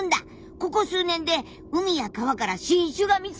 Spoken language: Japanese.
ここ数年で海や川から新種が見つかってるんだよ。